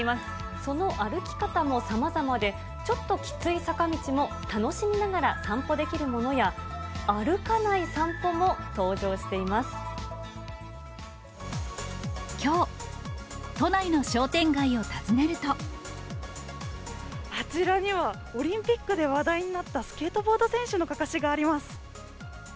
その歩き方もさまざまで、ちょっときつい坂道も楽しみながら散歩できるものや、歩かない散きょう、あちらには、オリンピックで話題になったスケートボード選手のかかしがあります。